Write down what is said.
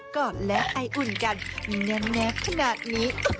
อดและไออุ่นกันแนบขนาดนี้